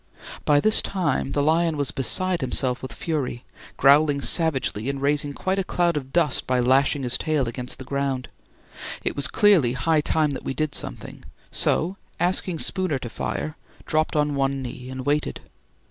By this time the lion was beside himself with fury, growling savagely and raising quite a cloud of dust by lashing his tail against the ground. It was clearly high time that we did something, so asking Spooner to fire, dropped on one knee and waited.